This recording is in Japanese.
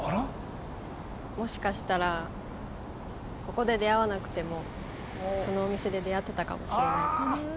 もしかしたらここで出会わなくてもそのお店で出会ってたかもしれないですね。